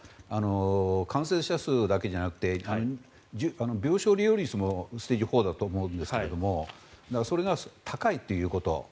感染者数だけじゃなくて病床使用率もステージ４だと思うんですがそれが高いということ。